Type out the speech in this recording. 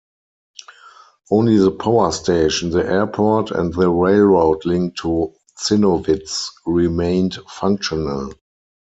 Only the power station, the airport, and the railroad link to Zinnowitz remained functional.